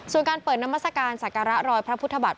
ส่วนการเปิดนามัศกาลศักระรอยพระพุทธบาท